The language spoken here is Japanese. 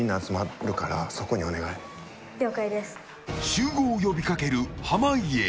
集合を呼びかける濱家。